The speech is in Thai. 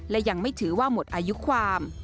และยังไม่ถือว่าหมดอายุความ